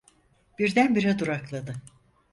Birdenbire durakladı.